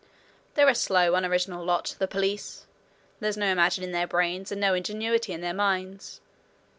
"They're a slow unoriginal lot, the police there's no imagination in their brains and no ingenuity in their minds.